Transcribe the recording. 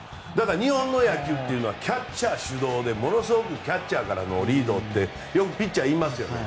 日本の野球っていうのはキャッチャー主導でものすごくキャッチャーからのリードってよくピッチャー言いますよね。